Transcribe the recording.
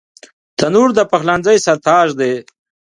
تنور د پخلنځي سر تاج دی